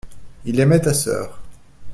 Il aimait ta sœur.